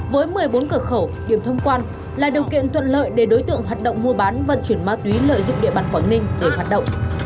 với một mươi bốn cửa khẩu điểm thông quan là điều kiện thuận lợi để đối tượng hoạt động mua bán vận chuyển ma túy lợi dụng địa bàn quảng ninh để hoạt động